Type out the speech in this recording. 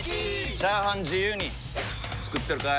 チャーハン自由に作ってるかい！？